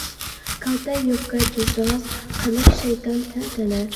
كالتە يوپكا كىيسىڭىز، قىلۇر شەيتان تەنتەنە.